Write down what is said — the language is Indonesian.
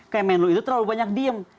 kemenlu itu terlalu banyak diem